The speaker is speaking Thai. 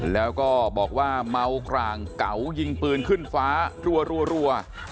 แล้วก็บอกว่าเมากรางเก๋ายิงปืนขึ้นฟ้ารัว